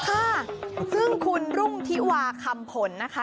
ค่ะซึ่งคุณรุ่งทิวาคำผลนะคะ